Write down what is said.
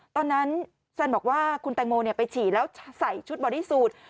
ตอนนั้นซันบอกว่าคุณแตงโมไปฉี่แล้วใส่ชุดบอดี้สูตร